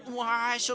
はい！